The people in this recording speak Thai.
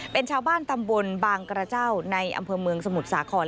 เป็นชาวบ้านตำบลบางกระเจ้าในอำเภอเมืองสมุทรสาคร